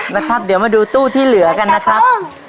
นะครับเดี๋ยวมาดูตู้ที่เหลือกันนะครับ